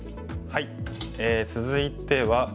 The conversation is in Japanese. はい。